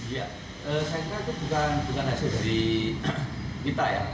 ya saya kira itu bukan hasil dari kita ya